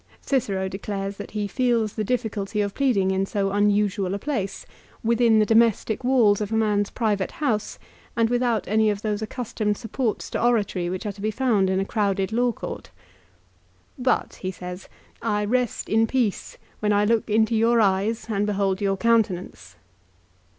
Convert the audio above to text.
Cicero declares that lie feels the difficulty of pleading in so unusual a place within the domestic walls of a man's private house and without any of those accustomed supports to oratory which are to be found in a crowded law court. " But," he says, " I rest in peace when I look into your eyes and behold your countenance."